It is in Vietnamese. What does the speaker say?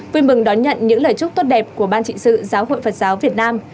vui mừng đón nhận những lời chúc tốt đẹp của ban trị sự giáo hội phật giáo việt nam